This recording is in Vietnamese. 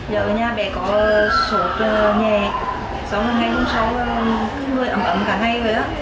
giờ nhà bé có sụt nhẹ sáu mươi ngày hôm sau người ẩm ẩm cả ngày rồi đó